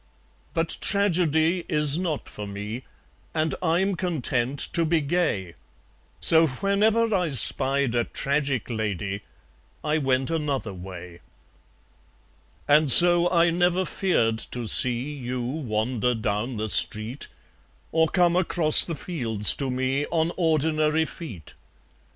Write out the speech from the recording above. But Tragedy is not for me; And I'm content to be gay. So whenever I spied a Tragic Lady, I went another way. And so I never feared to see You wander down the street, Or come across the fields to me On ordinary feet.